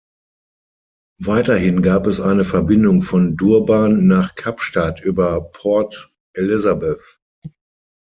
Weiterhin gab es eine Verbindung von Durban nach Kapstadt über Port Elizabeth.